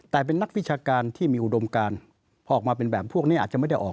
แต่เป็นนักวิชาการที่มีอุดมการพอออกมาเป็นแบบพวกนี้อาจจะไม่ได้ออก